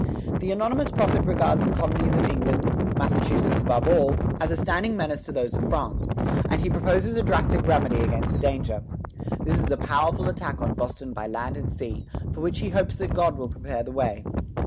The anonymous prophet regards the colonies of England, Massachusetts above all, as a standing menace to those of France; and he proposes a drastic remedy against the danger. This is a powerful attack on Boston by land and sea, for which he hopes that God will prepare the way.